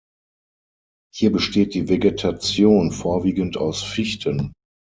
Hier besteht die Vegetation vorwiegend aus Fichten.